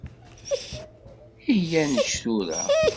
Iyya ad nečč tura.